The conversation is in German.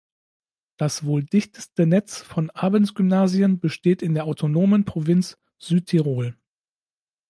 Das wohl dichteste Netz von Abendgymnasien besteht in der autonomen Provinz Südtirol.